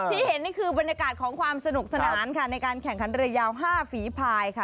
ที่เห็นนี่คือบรรยากาศของความสนุกสนานค่ะในการแข่งขันเรือยาว๕ฝีภายค่ะ